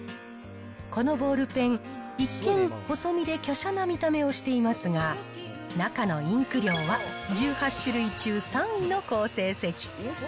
このボールペン、一見細身できゃしゃな見た目をしていますが、中のインク量は１８種類中３位の好成績。